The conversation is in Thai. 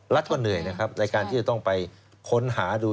เหนื่อยนะครับในการที่จะต้องไปค้นหาดู